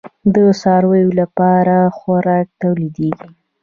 د څارویو لپاره خوراکه تولیدیږي؟